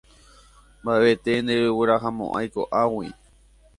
Mbaʼevete ndereguerahamoʼãi koʼágui.